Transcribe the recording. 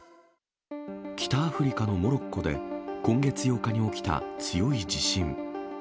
北アフリカのモロッコで、今月８日に起きた強い地震。